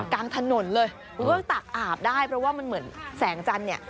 กลางถนนเลยก็ตักอาบได้เพราะว่ามันเหมือนแสงจันทร์เนี่ย